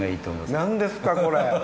何ですかこれ。